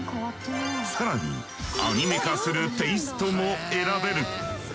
更にアニメ化するテイストも選べる！